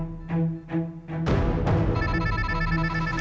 kamu kan sakit harus istirahat